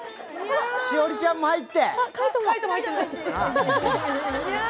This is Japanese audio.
栞里ちゃんも入って。